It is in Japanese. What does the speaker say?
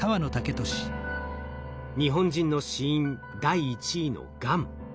日本人の死因第１位のがん。